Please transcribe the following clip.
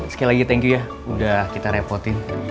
sekali lagi thank you ya udah kita repotin